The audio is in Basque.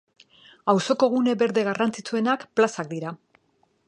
Auzoko gune berde garrantzitsuenak plazak dira.